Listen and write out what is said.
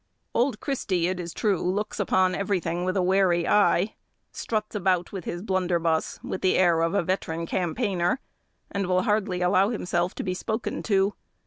Old Christy, it is true, looks upon everything with a wary eye; struts about with his blunderbuss with the air of a veteran campaigner, and will hardly allow himself to be spoken to.